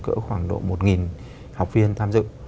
cỡ khoảng độ một học viên tham dự